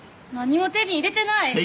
何も手に入れてない！